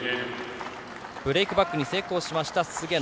ブレークバックに成功した菅野。